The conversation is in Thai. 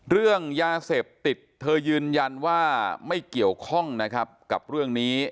เรื่องยาเสพติดเธอยืนยันว่าไม่เกี่ยวข้องนะครับกับเรื่องนี้